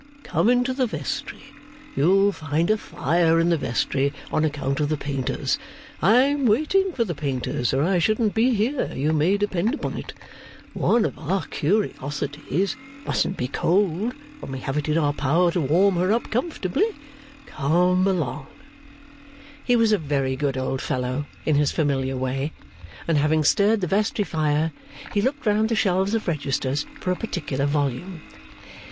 Come into the vestry. You'll find a fire in the vestry, on account of the painters. I'm waiting for the painters, or I shouldn't be here, you may depend upon it. One of our curiosities mustn't be cold when we have it in our power to warm her up comfortable. Come along.' He was a very good old fellow, in his familiar way; and having stirred the vestry fire, he looked round the shelves of registers for a particular volume.